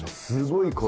すごい